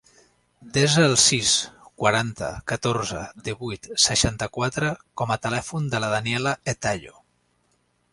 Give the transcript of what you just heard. Desa el sis, quaranta, catorze, divuit, seixanta-quatre com a telèfon de la Daniela Etayo.